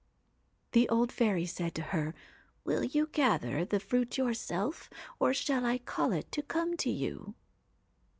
'The old fairy said to her : "Will you gather the fruit yourself, or shall I call it to come to you